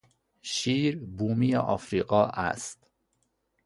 شیر بومی افریقا است.